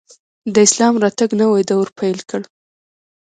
د اسلام راتګ نوی دور پیل کړ